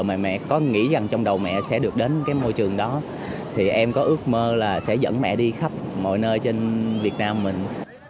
mà mẹ có nghĩ rằng trong đầu mẹ sẽ được đến cái môi trường đó thì em có ước mơ là sẽ dẫn mẹ đi khắp mọi nơi trên việt nam mình